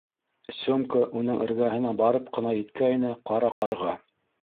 Сёмка уның эргәһенә барып ҡына еткәйне, Ҡара ҡарға: